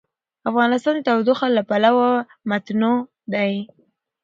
افغانستان د تودوخه له پلوه متنوع دی.